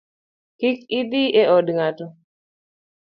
Kik idhi e od ng’ato